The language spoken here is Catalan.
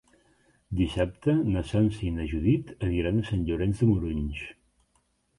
Dissabte na Sança i na Judit aniran a Sant Llorenç de Morunys.